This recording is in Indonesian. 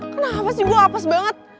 kenapa sih gue hapus banget